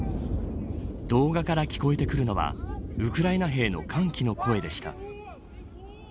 動画から聞こえてくるのはウクライナ兵の歓喜の声でした。